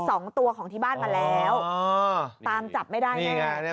สองตัวของที่บ้านมาแล้วอ๋อตามจับไม่ได้แน่